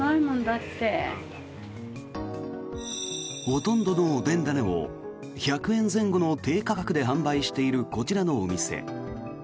ほとんどのおでん種を１００円前後の低価格で販売しているこちらのお店。